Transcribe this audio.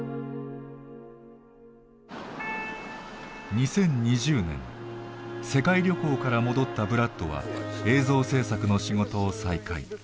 ２０２０年世界旅行から戻ったブラッドは映像制作の仕事を再開。